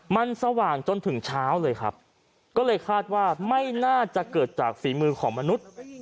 มันสว่างจนถึงเช้าเลยครับก็เลยคาดว่าไม่น่าจะเกิดจากฝีมือของมนุษย์